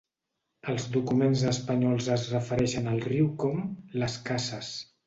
Els documents espanyols es refereixen al riu com Las Casas.